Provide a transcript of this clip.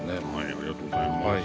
ありがとうございます。